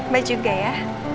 baik juga ya